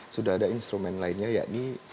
sudah ada instrumen lainnya yakni